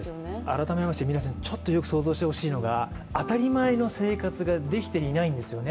改めまして、よく想像してほしいのが当たり前の生活ができていないんですよね。